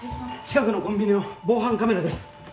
近くのコンビニの防犯カメラです